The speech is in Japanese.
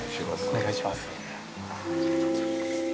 お願いします。